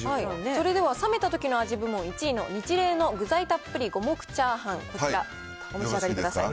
それでは冷めた時の味部門１位のニチレイの具材たっぷり五目炒飯、こちら、お召し上がりください。